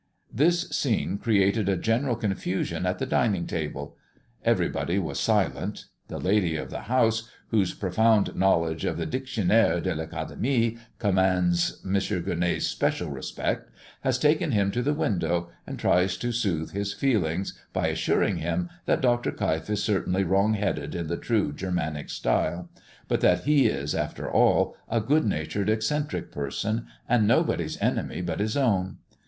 This scene created a general confusion at the dining table. Everybody was silent. The lady of the house, whose profound knowledge of the "Dictionnaire de l'Academie" commands M. Gueronnay's special respect, has taken him to the window, and tries to soothe his feelings, by assuring him that Dr. Keif is certainly wrong headed in the true Germanic style; but that he is, after all, a good natured eccentric person, and nobody's enemy but his own.